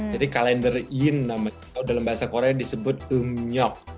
jadi kalender yin dalam bahasa korea disebut umnyok